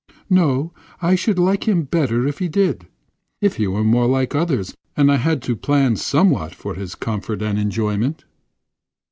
"No. I should like him better if he did; if he were more like others, and I had to plan somewhat for his comfort and enjoyment."